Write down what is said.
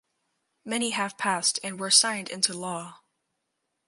Many have passed and were signed into law.